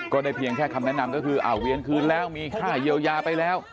ได้เพียงแค่คำแนะนำก็คือเวียนคืนแล้วมีค่าเยียวยาไปแล้ว